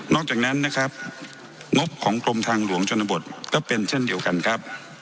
จากนั้นนะครับงบของกรมทางหลวงชนบทก็เป็นเช่นเดียวกันครับ